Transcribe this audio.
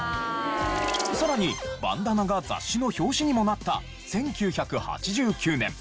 さらにバンダナが雑誌の表紙にもなった１９８９年。